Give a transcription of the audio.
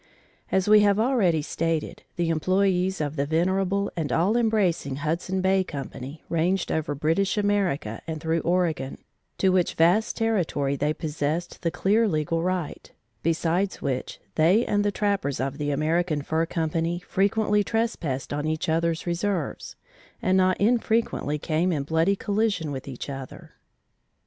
As we have already stated, the employees of the venerable and all embracing Hudson Bay Company ranged over British America and through Oregon, to which vast territory they possessed the clear legal right, besides which they and the trappers of the American Fur Company frequently trespassed on each others reserves, and not infrequently came in bloody collision with each other.